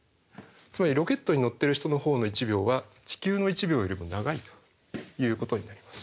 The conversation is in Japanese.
つまりロケットに乗ってる人のほうの１秒は地球の１秒よりも長いということになります。